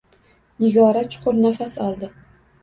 Nigora chuqur nafas oldi.